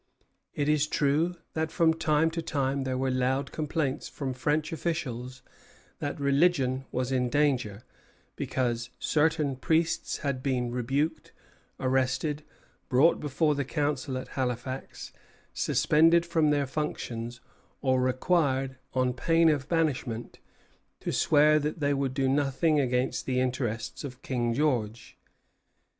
It is true that, from time to time, there were loud complaints from French officials that religion was in danger, because certain priests had been rebuked, arrested, brought before the Council at Halifax, suspended from their functions, or required, on pain of banishment, to swear that they would do nothing against the interests of King George.